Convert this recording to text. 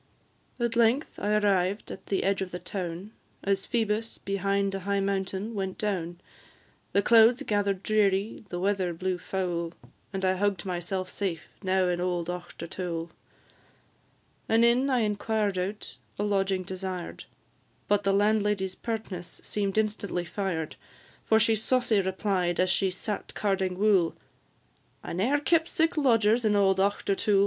At length I arrived at the edge of the town, As Phoebus, behind a high mountain, went down; The clouds gather'd dreary, and weather blew foul, And I hugg'd myself safe now in old Auchtertool. An inn I inquired out, a lodging desired, But the landlady's pertness seem'd instantly fired; For she saucy replied, as she sat carding wool, "I ne'er kept sic lodgers in auld Auchtertool."